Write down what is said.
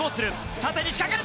縦に仕掛ける！